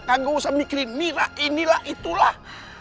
aku usah mikirin mira inilah itulah